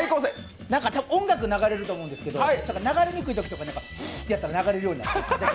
音楽流れると思うんですけど、流れにくいときとか、ふーっとやったら流れるようになる。